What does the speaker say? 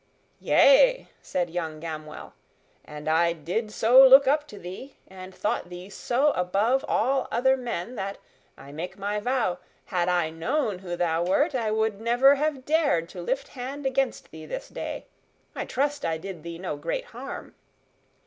"Yea," said young Gamwell, "and I did so look up to thee, and thought thee so above all other men that, I make my vow, had I known who thou wert, I would never have dared to lift hand against thee this day. I trust I did thee no great harm."